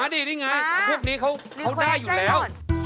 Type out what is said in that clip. นี่ไงพวกนี้เขาได้อยู่แล้ว